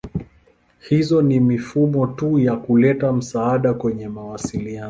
Hizo si mifumo tu ya kuleta msaada kwenye mawasiliano.